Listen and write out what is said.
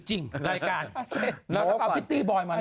ดังกันแล้วกับพิธีบอยล์มาเนอะ